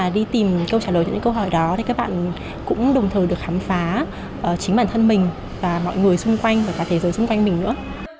để được khám phá chính bản thân mình và mọi người xung quanh và cả thế giới xung quanh mình nữa